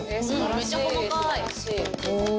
めっちゃ細かい。